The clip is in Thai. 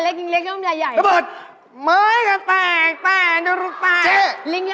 เฮ่ยเฮ่ยเฮ่ยเฮ่ยเฮ่ยเฮ่ย